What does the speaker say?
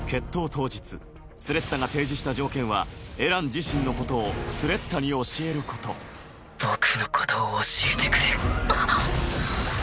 当日スレッタが提示した条件はエラン自身のことをスレッタに教えること僕のことを教えてくれ？あっ。